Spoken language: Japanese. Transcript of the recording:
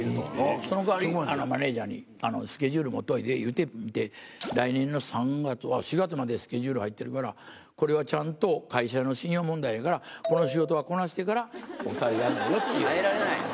そのかわり、マネージャーにスケジュール持っておいで言うて、来年の３月、おっ、４月までスケジュール入ってるから、これはちゃんと会社の信用問題だからこの仕事はこなしてからお２人、やめよって言われた。